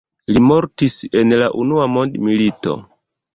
Li mortis en la unua mondmilito.